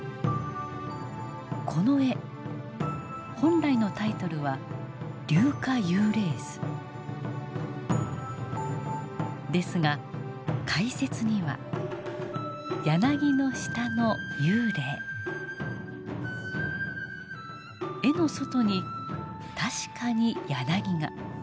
この絵本来のタイトルはですが解説には絵の外に確かに柳が。